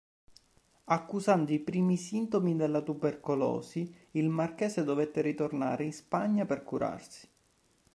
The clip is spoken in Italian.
Accusando i primi sintomi della tubercolosi il marchese dovette tornare in Spagna per curarsi.